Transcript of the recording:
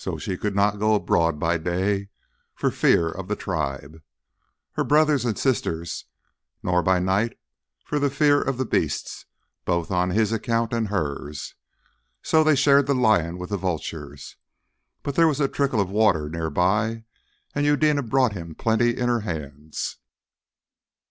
She could not go abroad by day for fear of the tribe, her brothers and sisters, nor by night for fear of the beasts, both on his account and hers. So they shared the lion with the vultures. But there was a trickle of water near by, and Eudena brought him plenty in her hands.